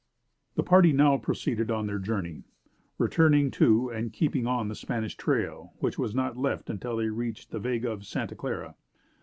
The party now proceeded on their journey, returning to and keeping on the Spanish Trail, which was not left until they reached the "Vega of Santa Clara."